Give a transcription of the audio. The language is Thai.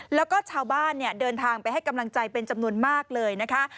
แล้วก็ชาวบ้านเนี่ยเดินทางไปให้กำลังใจเป็นจำนวนมากเลยนะคะ